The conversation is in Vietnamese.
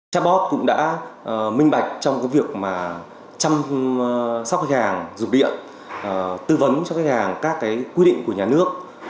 chatbot cũng đã minh bạch trong việc chăm sóc khách hàng dùng điện tư vấn cho khách hàng các quy định của nhà nước